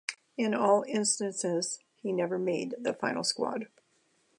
In all instances he never made the final squad.